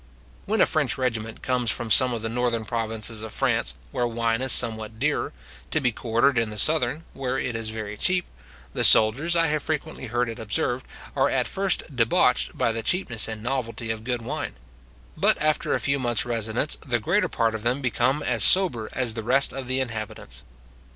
When a French regiment comes from some of the northern provinces of France, where wine is somewhat dear, to be quartered in the southern, where it is very cheap, the soldiers, I have frequently heard it observed, are at first debauched by the cheapness and novelty of good wine; but after a few months residence, the greater part of them become as sober as the rest of the inhabitants.